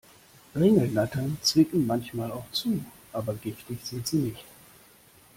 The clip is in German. Ringelnattern zwicken manchmal auch zu, aber giftig sind sie nicht.